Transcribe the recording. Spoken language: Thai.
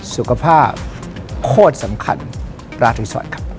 สุขภาพโคตรสำคัญประทัยสวรรค์ครับ